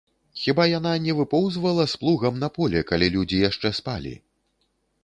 Хіба яна не выпоўзвала з плугам на поле, калі людзі яшчэ спалі?